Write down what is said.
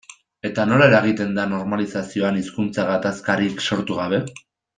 Eta nola eragiten da normalizazioan hizkuntza gatazkarik sortu gabe?